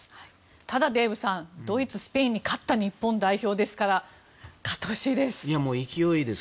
ただ、デーブさんドイツ、スペインに勝った日本代表ですから勝ってほしいです。